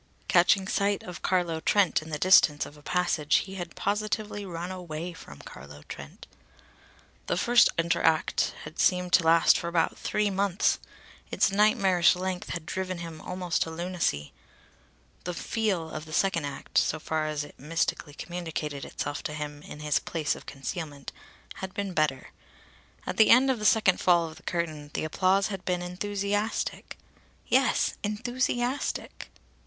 Catching sight of Carlo Trent in the distance of a passage, he had positively run away from Carlo Trent. The first entr'acte had seemed to last for about three months. Its nightmarish length had driven him almost to lunacy. The "feel" of the second act, so far as it mystically communicated itself to him in his place of concealment, had been better. At the end of the second fall of the curtain the applause had been enthusiastic. Yes, enthusiastic!